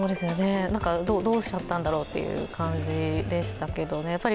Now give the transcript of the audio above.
どうしちゃったんだろうという感じでしたけどね。